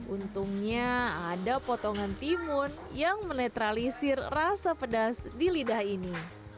untungnya ada potongan timun yang menetralisir rasa pedas di lidah ini